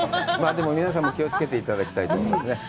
でも皆さんも気をつけていただきたいと思いますね。